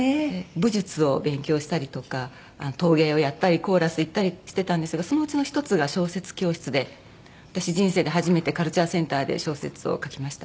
武術を勉強したりとか陶芸をやったりコーラス行ったりしてたんですがそのうちの１つが小説教室で私人生で初めてカルチャーセンターで小説を書きました。